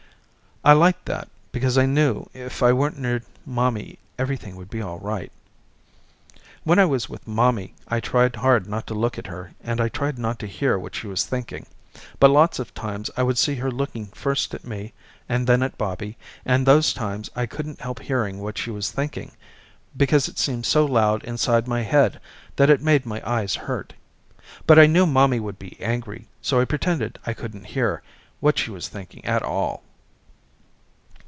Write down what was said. I liked that because I knew if I weren't near mommy everything would be all right. When I was with mommy I tried hard not to look at her and I tried not to hear what she was thinking, but lots of times I would see her looking first at me and then at Bobby, and those times I couldn't help hearing what she was thinking because it seemed so loud inside my head that it made my eyes hurt. But I knew mommy would be angry so I pretended I couldn't hear what she was thinking at all.